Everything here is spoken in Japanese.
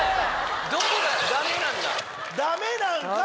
ダメなんだ。